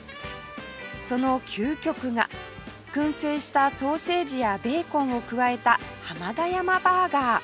その究極が燻製したソーセージやベーコンを加えた浜田山バーガー